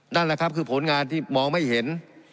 นั่นแหละครับคือผลงานที่มองไม่เห็น